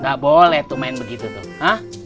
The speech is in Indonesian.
gak boleh tuh main begitu tuh ah